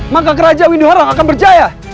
maka kerajaan windu haram akan berjaya